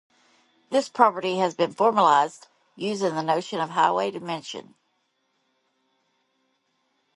This property has been formalized using the notion of highway dimension.